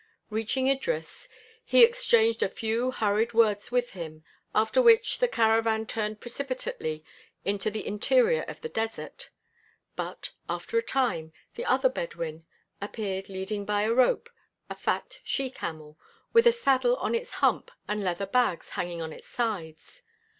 Reaching Idris, he exchanged a few hurried words with him, after which the caravan turned precipitately into the interior of the desert. But, after a time, the other Bedouin appeared leading by a rope a fat she camel, with a saddle on its hump and leather bags hanging on its sides.